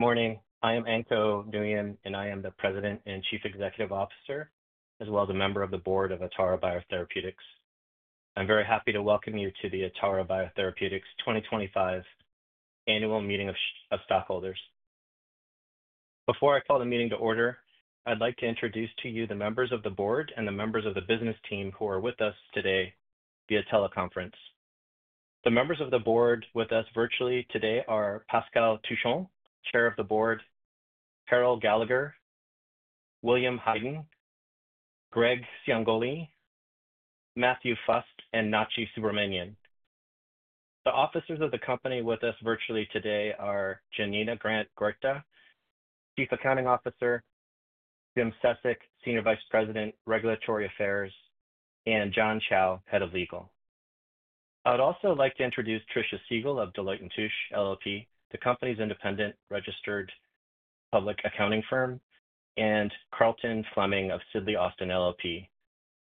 Good morning. I am Anhco Nguyen, and I am the President and Chief Executive Officer, as well as a member of the board of Atara Biotherapeutics. I'm very happy to welcome you to the Atara Biotherapeutics 2025 Annual Meeting of Stockholders. Before I call the meeting to order, I'd like to introduce to you the members of the board and the members of the business team who are with us today via teleconference. The members of the board with us virtually today are Pascal Touchon, Chair of the Board, Carol Gallagher, William Heiden, Greg Ciongoli, Matthew Fust, and Nachi Subramanian. The officers of the company with us virtually today are Yanina Grant-Huerta, Chief Accounting Officer, Jim Sesik, Senior Vice President, Regulatory Affairs, and John Chao, Head of Legal. I'd also like to introduce Trisha Siegel of Deloitte & Touche, LLP, the company's independent registered public accounting firm, and Carlton Fleming of Sidley Austin, LLP,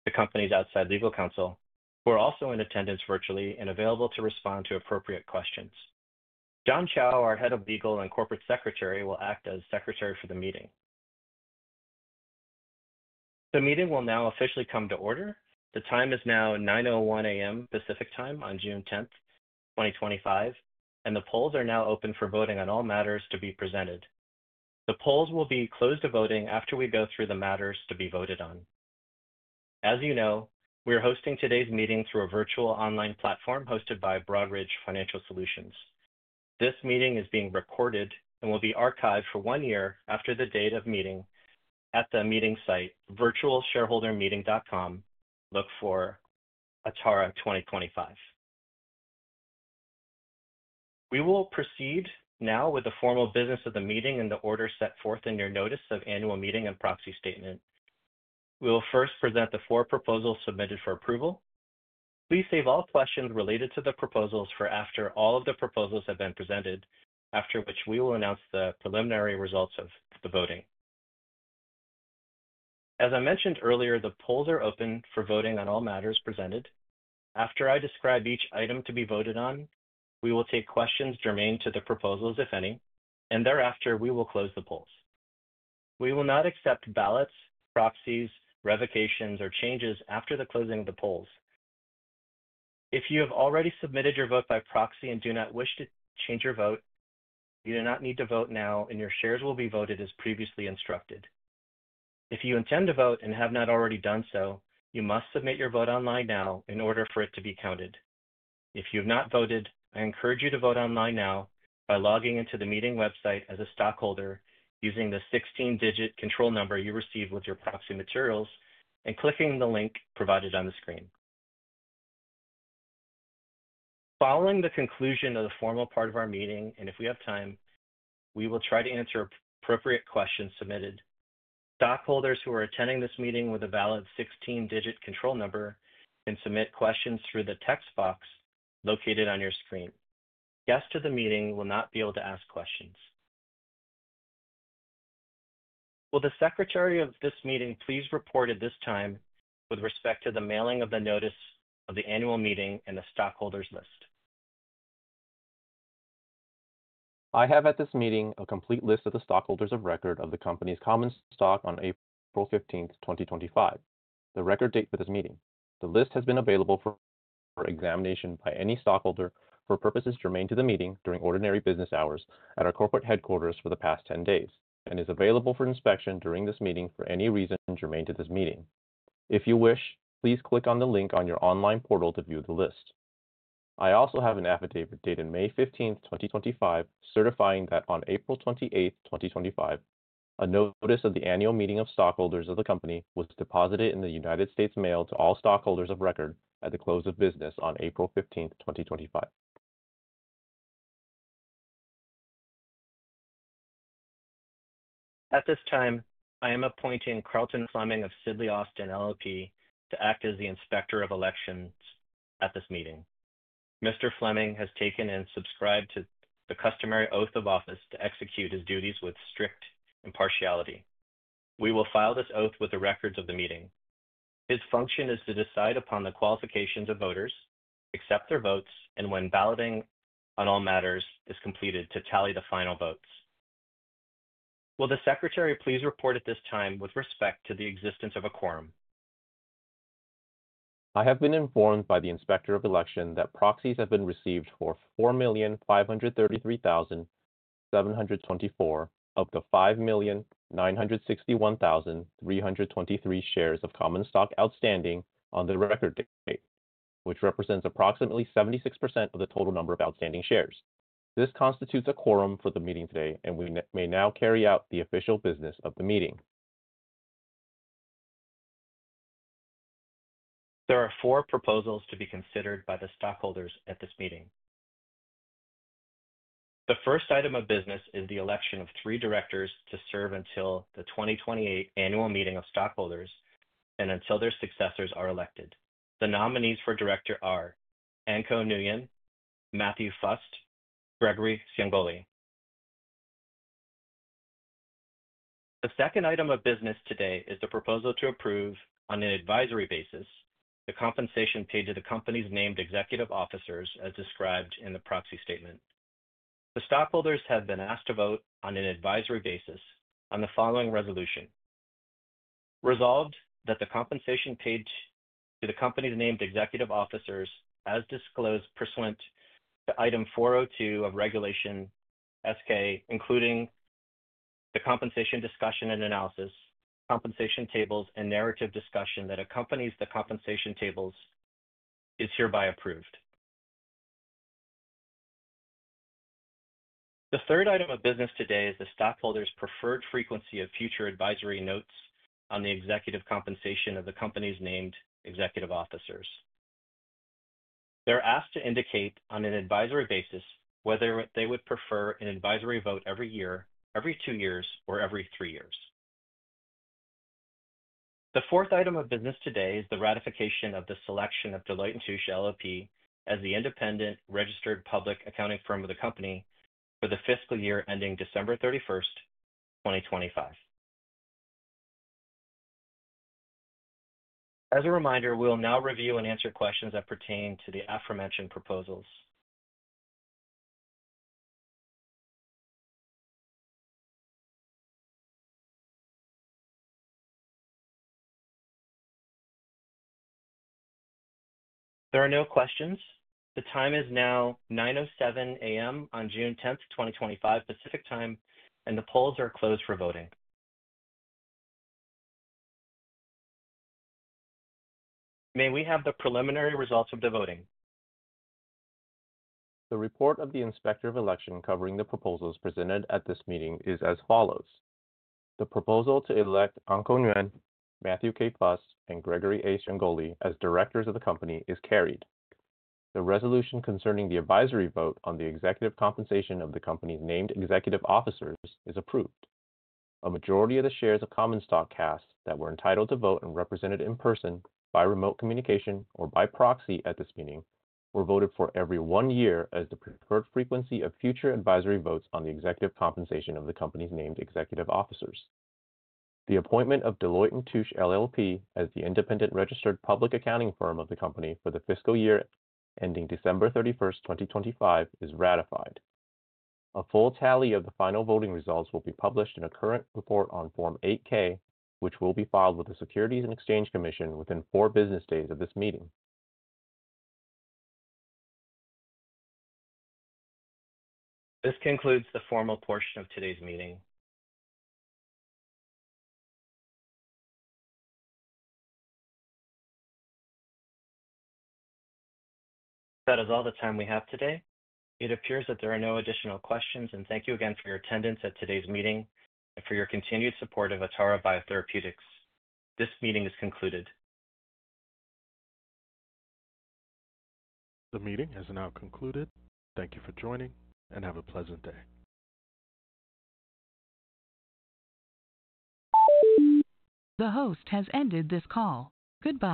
the company's outside legal counsel, who are also in attendance virtually and available to respond to appropriate questions. John Chao, our Head of Legal and Corporate Secretary, will act as Secretary for the meeting. The meeting will now officially come to order. The time is now 9:01 A.M. Pacific Time on June 10th, 2025, and the polls are now open for voting on all matters to be presented. The polls will be closed to voting after we go through the matters to be voted on. As you know, we are hosting today's meeting through a virtual online platform hosted by Broadridge Financial Solutions. This meeting is being recorded and will be archived for one year after the date of meeting at the meeting site, virtualshareholdermeeting.com. Look for Atara 2025. We will proceed now with the formal business of the meeting and the order set forth in your Notice of Annual Meeting and Proxy Statement. We will first present the four proposals submitted for approval. Please save all questions related to the proposals for after all of the proposals have been presented, after which we will announce the preliminary results of the voting. As I mentioned earlier, the polls are open for voting on all matters presented. After I describe each item to be voted on, we will take questions germane to the proposals, if any, and thereafter we will close the polls. We will not accept ballots, proxies, revocations, or changes after the closing of the polls. If you have already submitted your vote by proxy and do not wish to change your vote, you do not need to vote now, and your shares will be voted as previously instructed. If you intend to vote and have not already done so, you must submit your vote online now in order for it to be counted. If you have not voted, I encourage you to vote online now by logging into the meeting website as a stockholder using the 16-digit control number you received with your proxy materials and clicking the link provided on the screen. Following the conclusion of the formal part of our meeting, and if we have time, we will try to answer appropriate questions submitted. Stockholders who are attending this meeting with a valid 16-digit control number can submit questions through the text box located on your screen. Guests to the meeting will not be able to ask questions. Will the Secretary of this meeting please report at this time with respect to the mailing of the Notice of the Annual Meeting and the stockholders' list? I have at this meeting a complete list of the stockholders of record of the company's common stock on April 15th, 2025, the record date for this meeting. The list has been available for examination by any stockholder for purposes germane to the meeting during ordinary business hours at our corporate headquarters for the past 10 days and is available for inspection during this meeting for any reason germane to this meeting. If you wish, please click on the link on your online portal to view the list. I also have an affidavit dated May 15th, 2025, certifying that on April 28th, 2025, a Notice of the Annual Meeting of Stockholders of the company was deposited in the United States Mail to all stockholders of record at the close of business on April 15th, 2025. At this time, I am appointing Carlton Fleming of Sidley Austin, LLP, to act as the Inspector of Elections at this meeting. Mr. Fleming has taken and subscribed to the customary oath of office to execute his duties with strict impartiality. We will file this oath with the records of the meeting. His function is to decide upon the qualifications of voters, accept their votes, and when balloting on all matters is completed to tally the final votes. Will the Secretary please report at this time with respect to the existence of a quorum? I have been informed by the Inspector of Elections that proxies have been received for 4,533,724 of the 5,961,323 shares of common stock outstanding on the record date, which represents approximately 76% of the total number of outstanding shares. This constitutes a quorum for the meeting today, and we may now carry out the official business of the meeting. There are four proposals to be considered by the stockholders at this meeting. The first item of business is the election of three directors to serve until the 2028 Annual Meeting of Stockholders and until their successors are elected. The nominees for director are Anhco Nguyen, Matthew Fust, Gregory Ciongoli. The second item of business today is the proposal to approve on an advisory basis the compensation paid to the company's named executive officers as described in the proxy statement. The stockholders have been asked to vote on an advisory basis on the following resolution: resolved that the compensation paid to the company's named executive officers, as disclosed, pursuant to item 402 of Regulation S-K, including the compensation discussion and analysis, compensation tables, and narrative discussion that accompanies the compensation tables, is hereby approved. The third item of business today is the stockholders' preferred frequency of future advisory notes on the executive compensation of the company's named executive officers. They're asked to indicate on an advisory basis whether they would prefer an advisory vote every year, every two years, or every three years. The fourth item of business today is the ratification of the selection of Deloitte & Touche, LLP, as the independent registered public accounting firm of the company for the fiscal year ending December 31st, 2025. As a reminder, we'll now review and answer questions that pertain to the aforementioned proposals. There are no questions. The time is now 9:07 A.M. on June 10th, 2025, Pacific Time, and the polls are closed for voting. May we have the preliminary results of the voting? The report of the Inspector of Elections covering the proposals presented at this meeting is as follows. The proposal to elect Anhco Nguyen, Matthew K. Fust, and Gregory A. Ciongoli as directors of the company is carried. The resolution concerning the advisory vote on the executive compensation of the company's named executive officers is approved. A majority of the shares of common stock cast that were entitled to vote and represented in person by remote communication or by proxy at this meeting were voted for every one year as the preferred frequency of future advisory votes on the executive compensation of the company's named executive officers. The appointment of Deloitte & Touche, LLP, as the independent registered public accounting firm of the company for the fiscal year ending December 31st, 2025, is ratified. A full tally of the final voting results will be published in a current report on Form 8-K, which will be filed with the Securities and Exchange Commission within four business days of this meeting. This concludes the formal portion of today's meeting. That is all the time we have today. It appears that there are no additional questions, and thank you again for your attendance at today's meeting and for your continued support of Atara Biotherapeutics. This meeting is concluded. The meeting is now concluded. Thank you for joining and have a pleasant day. The host has ended this call. Goodbye.